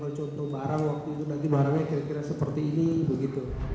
contoh barang waktu itu nanti barangnya kira kira seperti ini begitu